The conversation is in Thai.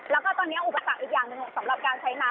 แล้วก็ตอนนี้อุปสรรคอีกอย่างหนึ่งสำหรับการใช้น้ำ